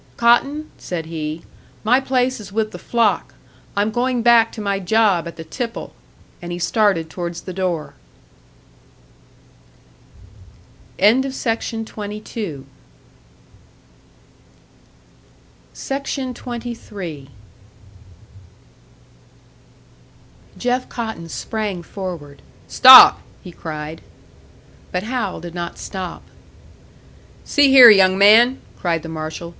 "Cotton," said he, "my place is with the flock! I'm going back to my job at the tipple!" And he started towards the door. SECTION 23. Jeff Cotton sprang forward. "Stop!" he cried. But Hal did not stop. "See here, young man!" cried the marshal.